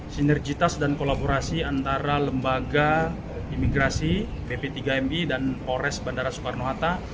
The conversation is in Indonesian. sinergitas dan kolaborasi antara lembaga imigrasi bp tiga mi dan polres bandara soekarno hatta